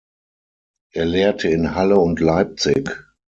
Er lehrte in Halle und Leipzig.